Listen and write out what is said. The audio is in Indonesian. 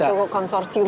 dalam satu konsorsium juga